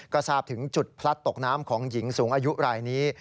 ก็ทราบถึงจุดพลัดตกน้ำของหญิงสูงอายุรายนี้